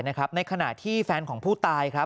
ในขณะที่แฟนของผู้ตายครับ